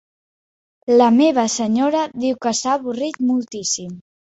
La meva Senyora diu que s'ha "avorrit moltíssim".